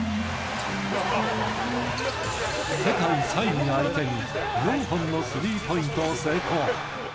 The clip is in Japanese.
世界３位相手に、４本のスリーポイントを成功。